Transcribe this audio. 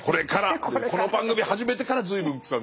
この番組始めてから随分楔は。